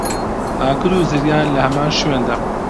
ئاگر و زریان لە هەمان شوێندا